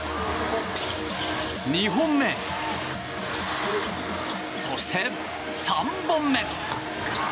２本目、そして、３本目。